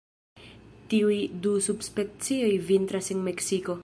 Tiuj du subspecioj vintras en Meksiko.